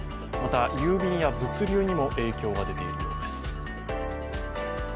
また、郵便や物流にも影響が出ているようです。